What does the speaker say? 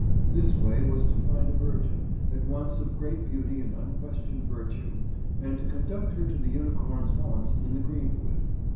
This way was to find a virgin, at once of great beauty and unquestioned virtue, and to conduct her to the unicorn's haunts in the greenwood.